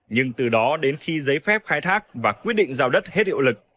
nhưng từ đó đến khi giấy phép khai thác và quyết định giao đất hết hiệu lực